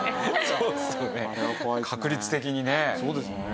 そうですよね。